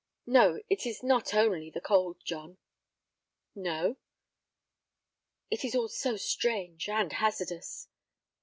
"No, it is not only the cold, John." "No?" "It is all so strange—and hazardous."